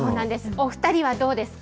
お２人はどうですか？